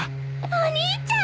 お兄ちゃん。